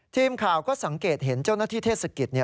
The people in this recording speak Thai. ทีมข่าวก็สังเกตเห็นเจ้าหน้าที่เทศกิจ